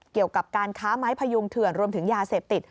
เกี่ยวกับการค้าไม้พยุงเถื่อนรวมถึงยาเสพติด